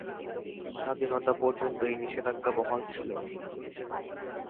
স্বাধীনতা পর্যন্ত এই নিষেধাজ্ঞা বহাল ছিলো।